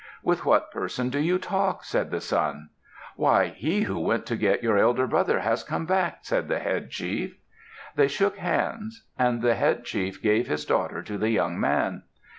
"With what person do you talk?" said the son. "Why! He who went to get your elder brother has come back!" said the head chief. They shook hands. And the head chief gave his daughter to the young man.